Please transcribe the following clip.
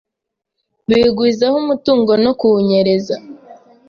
bigwizaho umutungo no kuwunyereza